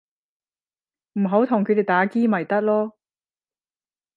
唔好同佢哋打機咪得囉